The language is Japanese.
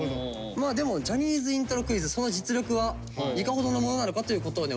でも「ジャニーズイントロクイズ」その実力はいかほどのものなのかということをね